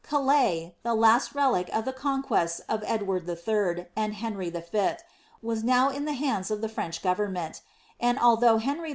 Calais, the lasi relic of the conquests of Edward III. and Henty V^ was now in the hands of the French government ; and althouf^ fienry II.